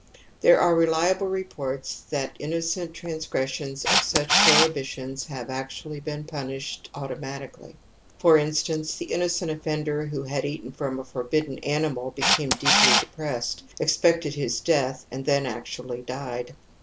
There are reUable reports that innocent transgressions of such prohibitions have actually been pimished automatically. For instance, the innocent offender who had (mten from a forbidden animal became deep ly depressed, ^xpected his death and then actually died.